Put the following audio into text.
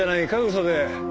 嘘で。